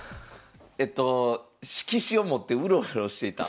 えっと色紙を持ってウロウロしていた。